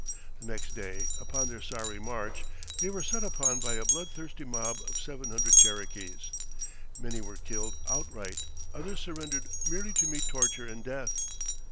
The next day, upon their sorry march, they were set upon by a bloodthirsty mob of seven hundred Cherokees. Many were killed outright, others surrendered merely to meet torture and death.